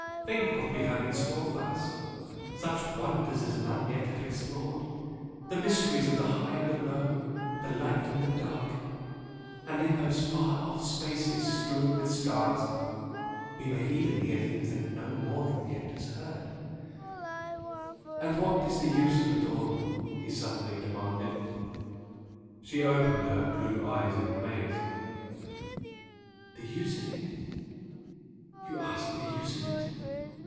Think what we have in store for us! such wonders as none have yet explored, the mysteries of the high and the low the light and the dark and in those far off spaces strewn with stars, we may even hear things that no mortal has yet heard " "And what is the use of it all?" he suddenly demanded. She opened her deep blue eyes in amaze. "The use of it?... You ask the use of it?